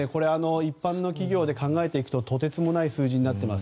一般の企業で考えるととてつもない水準になってます。